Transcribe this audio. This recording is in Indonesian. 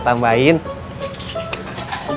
terima kasih yah